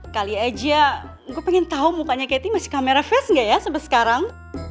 kali aja gua pengen tau mukanya cathy masih kamera face nggak ya sampai sekarang